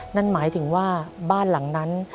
นั่นหมายถึงว่าบ้านหลังนั้น